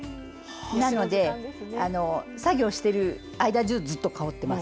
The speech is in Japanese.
なので作業してる間中ずっと香ってます。